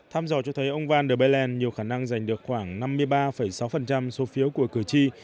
thăm dò cho thấy ông van derbailent nhiều khả năng giành được khoảng năm mươi ba sáu số phiếu của cử tri